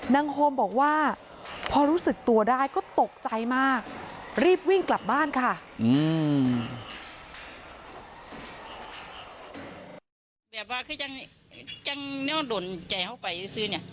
แบบว่าคือจังจังไม่รู้โดนใจเข้าไปซื่อเนี่ย